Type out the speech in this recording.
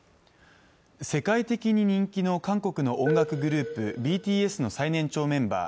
世界的に人気の韓国の音楽グループＢＴＳの最年長メンバー